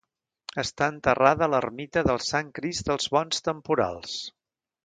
Està enterrada a l'ermita del Sant Crist dels Bons Temporals.